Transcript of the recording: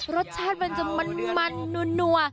รสชาติมันจะมันนัว